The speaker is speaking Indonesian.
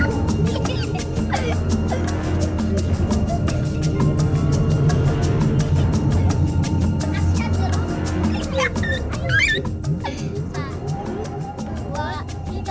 nah silahkan pilih